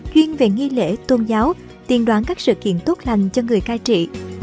chuyên về nghi lễ tôn giáo tiền đoán các sự kiện tốt lành cho người cai trị